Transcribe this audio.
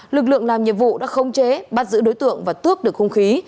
lực lượng làm nhiệm vụ đã không chế bắt giữ đối tượng và tước được hung khí